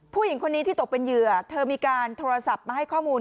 ผู้หญิงคนนี้ที่ตกเป็นเหยื่อเธอมีการโทรศัพท์มาให้ข้อมูล